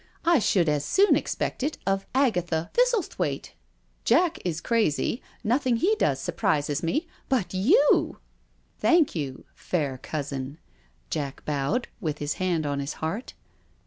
I should as soon expect it of Agatha Thistlethwaite.. Jack is crazy — ^nothing he does surprises me— but yoa ..." Thank you, fair cousin." Jack bowed, with his hand on his heart.